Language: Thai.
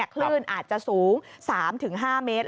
คลื่นอาจจะสูง๓๕เมตร